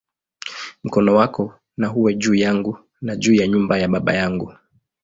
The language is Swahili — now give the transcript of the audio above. Mkono wako na uwe juu yangu, na juu ya nyumba ya baba yangu"!